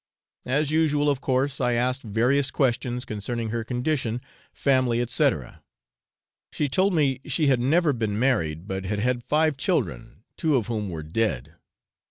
As usual, of course, I asked various questions concerning her condition, family, &c. she told me she had never been married, but had had five children, two of whom were dead.